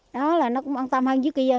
đó là nó cũng an toàn hơn dưới kia